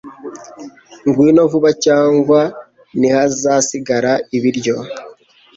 Ngwino vuba cyangwa ntihazasigara ibiryo